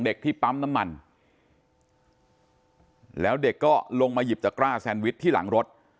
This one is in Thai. ที่ปั๊มน้ำมันแล้วเด็กก็ลงมาหยิบตะกร้าแซนวิชที่หลังรถ